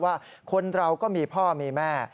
ว่าคนเราก็มีพ่อมีแม่